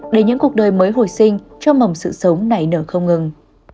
để những cuộc đời mới hồi sinh cho mầm sự sống này nở không ngừng